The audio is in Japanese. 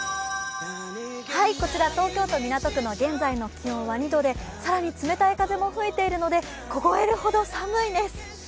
こちら東京都港区の現在の気温は２度で更に冷たい風も吹いているので凍えるほど寒いです。